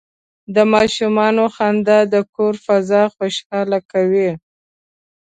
د ماشومانو خندا د کور فضا خوشحاله کوي.